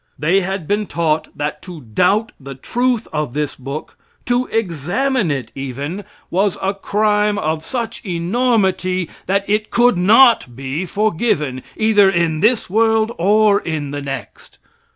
They had been taught that to doubt the truth of this book to examine it, even was a crime of such enormity that it could not be forgiven, either in this world or in the next.